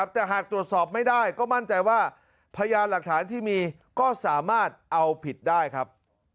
แต่หากตรวจสอบไม่ได้ก็มั่นใจว่าพยานหลักฐานที่มีก็สามารถเอาผิดได้ครับ